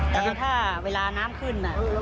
แต่ถ้าเวลาน้ำขึ้น